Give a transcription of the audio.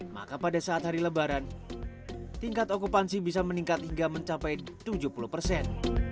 maka pada saat hari lebaran tingkat okupansi bisa meningkat hingga mencapai tujuh puluh persen